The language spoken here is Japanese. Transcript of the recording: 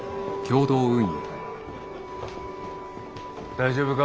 大丈夫か？